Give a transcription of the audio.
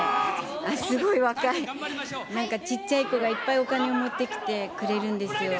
すごい若い、なんかちっちゃい子がいっぱいお金を持ってきてくれるんですよ。